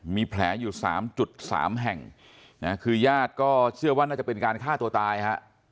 มีแผลอยู่๓๓แห่งนะคือญาติก็เชื่อว่าน่าจะเป็นการฆ่าตัวตายฮะ